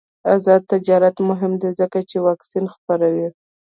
آزاد تجارت مهم دی ځکه چې واکسین خپروي.